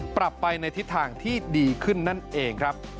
ปรับไปในทิศทางที่ดีขึ้นนั่นเองครับ